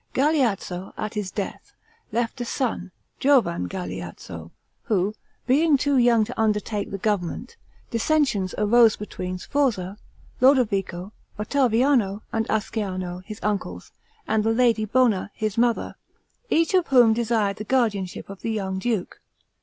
Galeazzo, at his death, left a son, Giovan Galeazzo, who being too young to undertake the government, dissensions arose between Sforza, Lodovico, Ottaviano, and Ascanio, his uncles, and the lady Bona, his mother, each of whom desired the guardianship of the young duke.